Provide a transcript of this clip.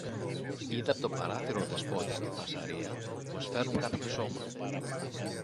Είδε από το παράθυρο ο Δεσπότης τη φασαρία, πως φέρνουν κάποιο σώμα